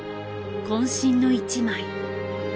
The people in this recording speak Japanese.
こん身の一枚。